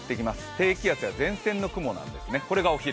低気圧や前線の雲なんですね、これがお昼。